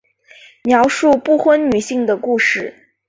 描述不婚女性的故事。